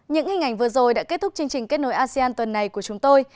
những hình ảnh vừa rồi đã kết thúc chương trình kết nối asean tuần này của chúng tôi